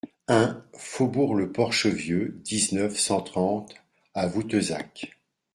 un faubourg le Porche Vieux, dix-neuf, cent trente à Voutezac